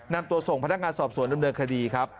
นำตัวส่งพนักงานสอบสวนดำเนินคดีครับ